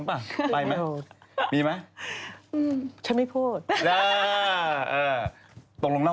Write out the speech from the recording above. เค้าน่าก็จะไปประถึงกองมั้ย